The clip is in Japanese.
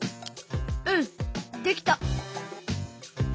うんできた。